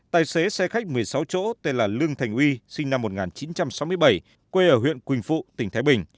tài xế xe khách một mươi sáu chỗ tên là lương thành uy sinh năm một nghìn chín trăm sáu mươi bảy quê ở huyện quỳnh phụ tỉnh thái bình